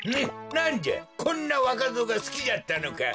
なんじゃこんなわかぞうがすきじゃったのか！